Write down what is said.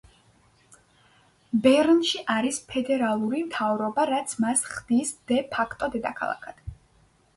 ბერნში არის ფედერალური მთავრობა, რაც მას ხდის დე ფაქტო დედაქალაქად.